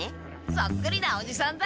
そっくりなおじさんだ。